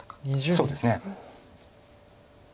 そうですね。